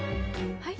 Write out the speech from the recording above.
はい？